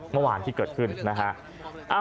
เมื่อวานที่เกิดขึ้นนะฮะ